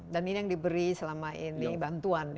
dan ini yang diberi selama ini bantuan ya